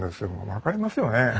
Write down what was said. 分かりますよねえ？